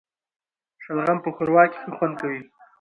شلغم په ښوروا کي ښه خوند کوي